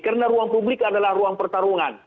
karena ruang publik adalah ruang pertarungan